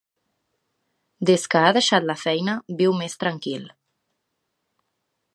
Des que ha deixat la feina viu més tranquil.